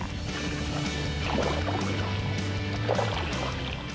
taman air tirta gangga